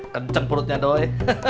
kenceng perutnya doi